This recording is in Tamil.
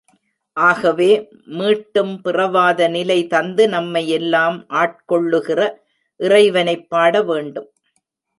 ஆகவே மீட்டும் பிறவாத நிலை தந்து நம்மை எல்லாம் ஆட் கொள்ளுகிற இறைவனைப் பாட வேண்டும்.